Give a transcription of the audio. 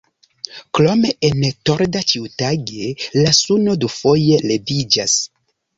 Krome en Torda ĉiutage la suno dufoje leviĝas.